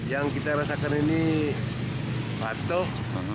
yang kita rasakan ini patuh